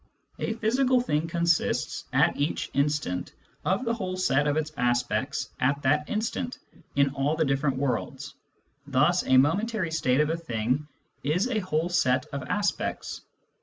A physical thing consists, at each instant, of the whole set of its aspects at that instant, in all the different worlds ; thus a momentary state of a thing is a whole set of aspects.